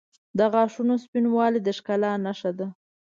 • د غاښونو سپینوالی د ښکلا نښه ده.